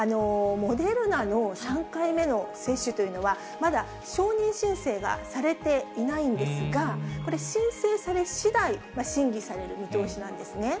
モデルナの３回目の接種というのは、まだ承認申請がされていないんですが、これ、申請されしだい、審議される見通しなんですね。